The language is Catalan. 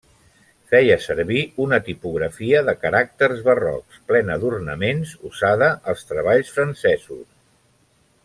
Feia servir una tipografia de caràcters barrocs, plena d'ornaments, usada als treballs francesos.